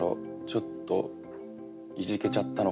ちょっといじけちゃったのかな？